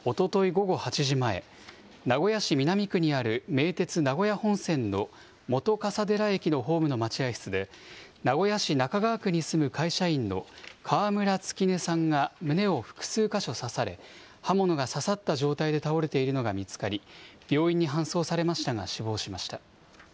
午後８時前、名古屋市南区にある名鉄名古屋本線の本笠寺駅のホームの待合室で、名古屋市中川区に住む会社員の川村月音さんが胸を複数箇所刺され、刃物が刺さった状態で倒れているのが見つかり、病院に搬送されましたが死亡しました。